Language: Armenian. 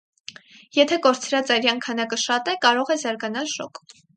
Եթե կորցրած արյան քանակը շատ է, կարող է զարգանալ շոկ։